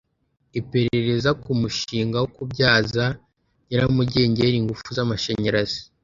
Iperereza ku mushinga wo kubyaza nyiramugengeri ingufu z amashanyarazi